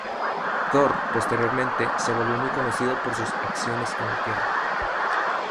Thor, posteriormente, se volvió muy conocido por sus acciones en la Tierra.